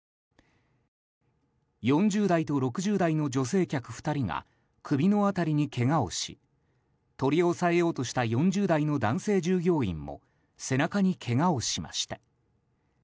４０代と６０代の女性客２人が首の辺りにけがをし取り押さえようとした４０代の男性従業員も背中に、けがをしました。